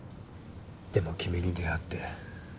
でも君に出会って。